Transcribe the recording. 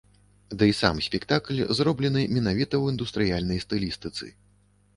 Дый сам спектакль зроблены менавіта ў індустрыяльнай стылістыцы.